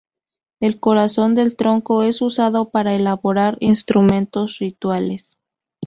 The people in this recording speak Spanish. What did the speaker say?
El corazón del tronco es usado para elaborar instrumentos rituales.